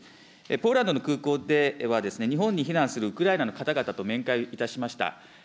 ポーランドの空港では、日本に避難するウクライナの方々と面会いたしました。